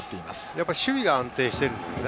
やっぱり守備が安定していますので。